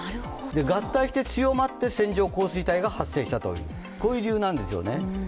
合体して強まって、線状降水帯が発生したという理由なんですよね。